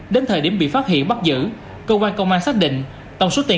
đến thời điểm bị phát hiện bắt giữ công an công an xác định tổng số tiền